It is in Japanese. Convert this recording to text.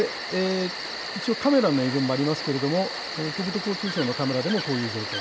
一応、カメラの映像もありますけれども、国土交通省のカメラでもこういう状況。